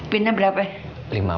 pinnya berapa ya